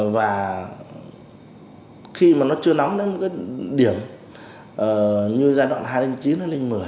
và khi mà nó chưa nóng đến cái điểm như giai đoạn hai nghìn chín hai nghìn một mươi